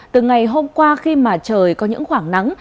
từ ngày hôm qua khi mà trời có những khoảng nắng